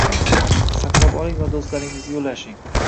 Saqlab oling va do'stlaringizga ulashing 👇